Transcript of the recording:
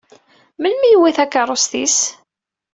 Melmi i yewwi takeṛṛust-is?